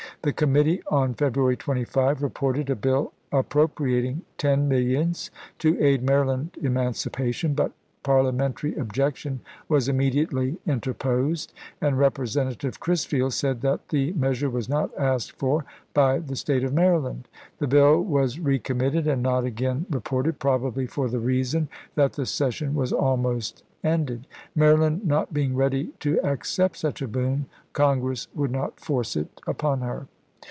The commit i863, p. ssi. tee, on February 25, reported a bill appropriating ten millions to aid Maryland emancipation, but parliamentary objection was immediately inter posed, and Representative Crisfield said that the "oiobe," measure was not asked for by the State of Mary isea, '.'' pp. 1293, land. The bill was recommitted and not again 1294. reported, probably for the reason that the session was almost ended. Maryland not being ready to accept such a boon. Congress would not force it upon her.